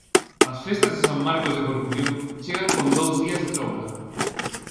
As festas de San Marcos de Corcubión chegan con dous días de troula.